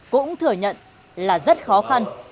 cũng thừa nhận là rất khó khăn